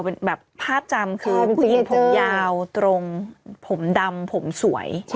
ผ้าจำคือผู้หญิงผมยาวตรงผมดำผมสวย